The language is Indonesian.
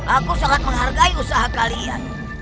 aku sangat menghargai usaha kalian